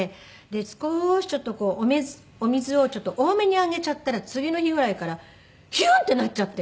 少しちょっとこうお水をちょっと多めにあげちゃったら次の日ぐらいからヒュン！ってなっちゃって。